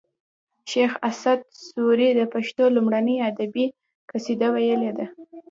شیخ اسعد سوري د پښتو لومړنۍ ادبي قصیده ویلې ده